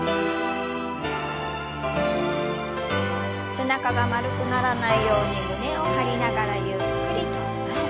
背中が丸くならないように胸を張りながらゆっくりと前。